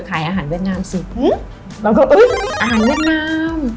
ขายอาหารเวียดนามสิเราก็อุ้ยอาหารเวียดนาม